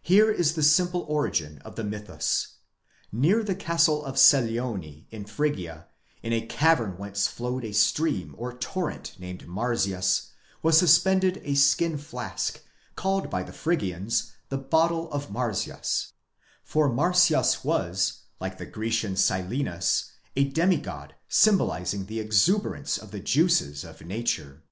Here is the simple origin of the mythus. Near the castle of Celcene in Phrygia, in a cavern whence flowed a stream or torrent named Marsyas, was suspended a skin flask, called by the Phrygians, the bottle of Marsyas ; for Marsyas was, like the Grecian Silenus, a demi god symbolizing the exuberance of the juices of nature.